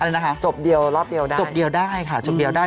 เลยนะคะจบเดียวรอบเดียวได้จบเดียวได้ค่ะจบเดียวได้